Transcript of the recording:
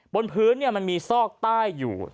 บนพื้นมันมีซอกใต้อยู่